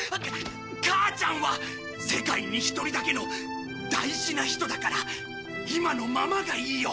母ちゃんは世界に一人だけの大事な人だから今のままがいいよ！